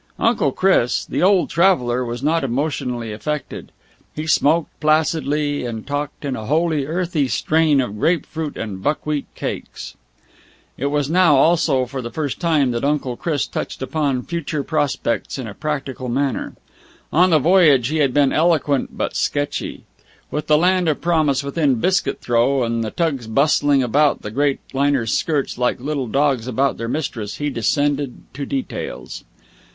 Uncle Chris, the old traveller, was not emotionally affected. He smoked placidly and talked in a wholly earthy strain of grape fruit and buckwheat cakes. It was now, also for the first time, that Uncle Chris touched upon future prospects in a practical manner. On the voyage he had been eloquent but sketchy. With the land of promise within biscuit throw and the tugs bustling about the great liner's skirts like little dogs about their mistress, he descended to details.